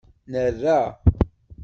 Nerra.